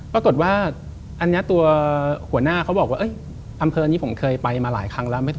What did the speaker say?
ปรากฏว่าอันนี้ตัวหัวหน้าเขาบอกว่าอำเภอนี้ผมเคยไปมาหลายครั้งแล้ว